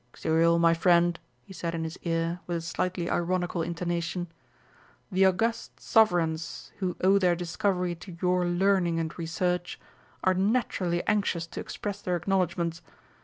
"Xuriel, my friend," he said in his ear, with a slightly ironical intonation, "the august Sovereigns who owe their discovery to your learning and research are naturally anxious to express their acknowledgements.